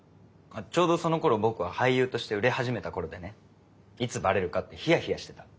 ちょうどそのころ僕は俳優として売れ始めた頃でねいつバレるかってヒヤヒヤしてた。